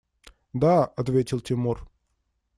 – Да, – ответил Тимур.